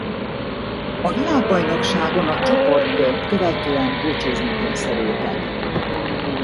A világbajnokságon a csoportkört követően búcsúzni kényszerültek.